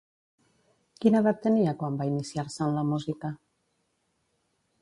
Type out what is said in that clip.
Quina edat tenia quan va iniciar-se en la música?